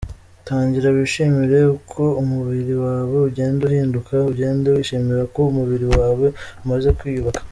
Tangira wishimire uko umubiri wawe ugenda uhinduka, ugende wishimira ko umubiri wawe umaze kwiyubaka.